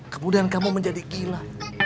kemudian kamu menjadi gila